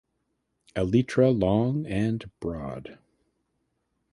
Elytra long and broad.